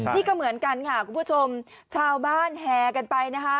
นี่ก็เหมือนกันค่ะคุณผู้ชมชาวบ้านแห่กันไปนะคะ